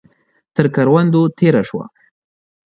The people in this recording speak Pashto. تر کروندو تېره شوه.